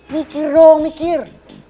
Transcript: mikir dong mikir